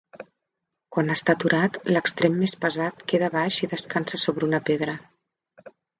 Quan està aturat, l'extrem més pesat queda abaix i descansa sobre una pedra.